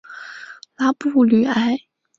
拉布吕埃。